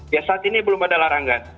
ya saat ini belum ada larangan